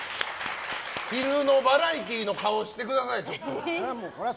昼のバラエティーの顔をしてくださいよ！